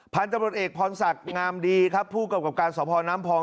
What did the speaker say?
พันธุ์ตำรวจเอกพรศักดิ์งามดีครับผู้กำกับการสพน้ำพอง